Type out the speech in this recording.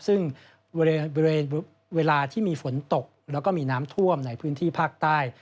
ซึ่งเวลาที่มีฝนตกแล้วก็มีน้ำท่วมในพื้นที่ภาคใต้